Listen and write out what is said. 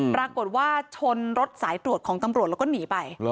ปรากฏว่าชนรถสายตรวจของตำรวจแล้วก็หนีไป